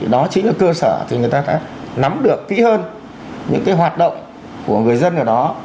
đó chính là cơ sở thì người ta sẽ nắm được kỹ hơn những hoạt động của người dân ở đó